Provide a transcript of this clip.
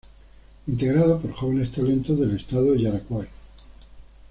Integrado por jóvenes talentos del estado Yaracuy.